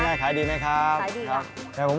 พระกญรับมานาม